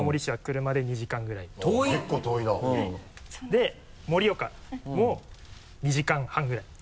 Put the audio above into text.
で盛岡も２時間半ぐらい。